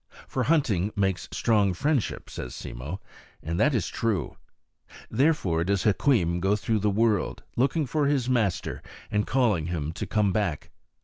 For hunting makes strong friendship, says Simmo; and that is true. Therefore does Hukweem go through the world, looking for his master and calling him to come back.